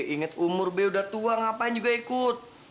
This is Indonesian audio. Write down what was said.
ingat umur be udah tua ngapain juga ikut